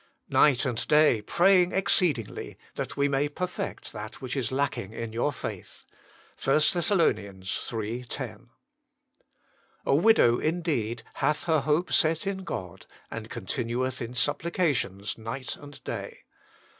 "Night and day praying exceedingly, that we may perfect that which is lacking in your faith." 1 THESS. iii. 10. "A widow indeed, hath her hope set in God, and continue! h in supplications night and day."